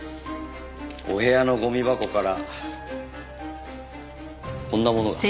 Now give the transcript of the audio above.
お部屋のゴミ箱からこんなものが。